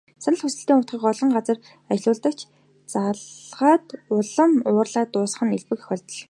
Санал хүсэлтийн утсыг олон газар ажиллуулдаг ч, залгаад улам уурлаад дуусах нь элбэг тохиолддог.